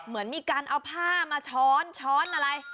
เหมือนมีการเอาผ้ามาช้อนช้อนอะไร